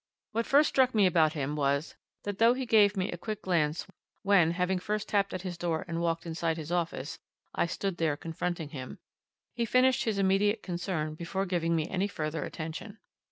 What first struck me about him was, that though he gave me a quick glance when, having first tapped at his door and walked inside his office, I stood there confronting him, he finished his immediate concern before giving me any further attention.